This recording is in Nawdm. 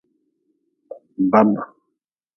Bab.